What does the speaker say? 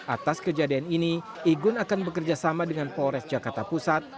atas kejadian ini igun akan bekerjasama dengan polres jakarta pusat